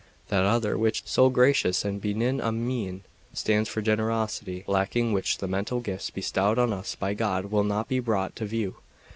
That other, with so gracious and benign a mien, stands for Generosity, lacking which the mental gifts bestowed on us by God will not be brought to view.